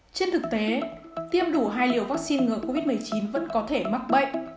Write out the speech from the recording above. trên thực tế tiêm đủ hai liều vaccine ngừa covid một mươi chín vẫn có thể mắc bệnh